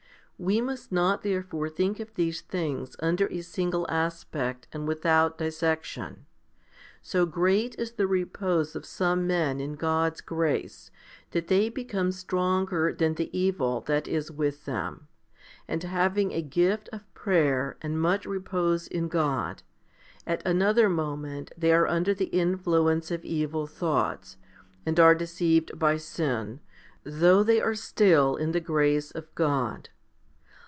We must not therefore think of these things under a single aspect and without dissection. So great is the repose of some men in God's grace that they become stronger than the evil that is with them, and having a gift of prayer and much repose in God, at another moment they are under the influence of evil thoughts, and are deceived by sin, though they are still in the grace of God.